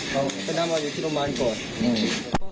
เขาไปนั่งเราอยู่ที่โรงพยาบาลก่อน